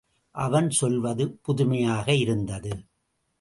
அவன் சொல்வது புதுமையாக இருந்தது.